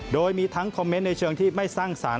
โดยมีทั้งคอมเมนต์ในเชิงที่ไม่สร้างสรรค